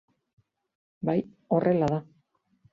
Bai, horrela da.